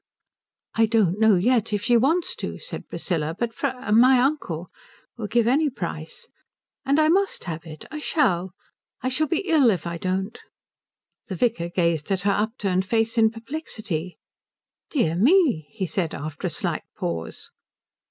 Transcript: "I don't know yet if she wants to," said Priscilla; "but Fr , my uncle, will give any price. And I must have it. I shall I shall be ill if I don't." The vicar gazed at her upturned face in perplexity. "Dear me," he said, after a slight pause.